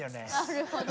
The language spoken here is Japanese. ・なるほど。